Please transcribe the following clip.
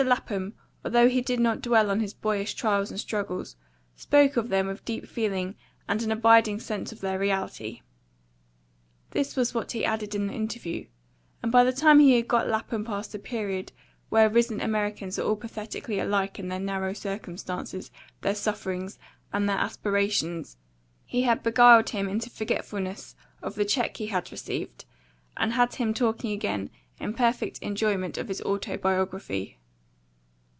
Lapham, although he did not dwell on his boyish trials and struggles, spoke of them with deep feeling and an abiding sense of their reality." This was what he added in the interview, and by the time he had got Lapham past the period where risen Americans are all pathetically alike in their narrow circumstances, their sufferings, and their aspirations, he had beguiled him into forgetfulness of the check he had received, and had him talking again in perfect enjoyment of his autobiography.